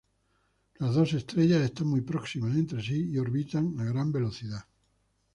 Las dos estrellas están muy próximas entre sí y orbitan a gran velocidad.